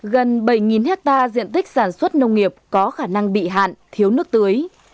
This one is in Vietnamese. gần bảy hectare diện tích sản xuất nông nghiệp có khả năng bị hạn thiếu nước tưới